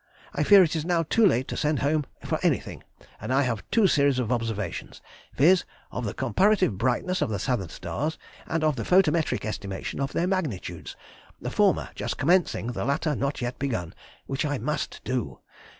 I fear it is now too late to send home for anything, and I have two series of observations, viz., of the comparative brightness of the southern stars, and of the photometric estimation of their magnitudes—the former just commencing, the latter not yet begun, which I must do.